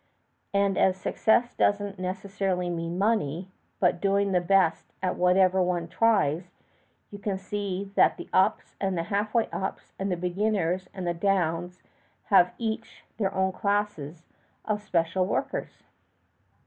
And as success doesn't necessarily mean money, but doing the best at whatever one tries, {xii} you can see that the ups and the halfway ups, and the beginners and the downs have each their own classes of special workers."